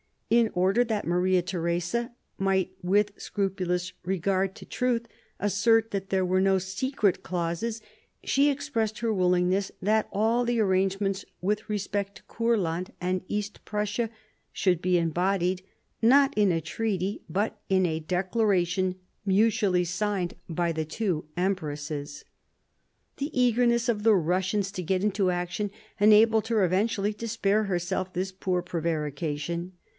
In order that Maria Theresa might with scrupulous regard to truth assert that there were no secret clauses, she expressed her willingness that all the arrangements with respect to Courland and East Prussia should be embodied, not in a treaty, but in a declaration mutually signed by the two empresses. The eagerness of the Eussians to get into action enabled her eventually to spare herself this poor prevarication.